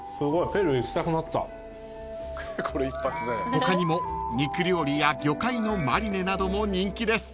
［他にも肉料理や魚介のマリネなども人気です］